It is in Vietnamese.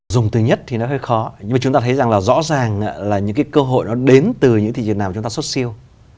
dùng từ nhất thì nó hơi khó nhưng mà chúng ta thấy rằng là rõ ràng là những cái cơ hội nó đến từ những thị trường nào chúng ta xuất siêu